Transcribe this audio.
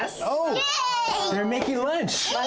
イエーイ！